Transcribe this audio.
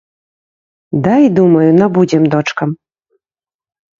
Дай, думаю, набудзем дочкам.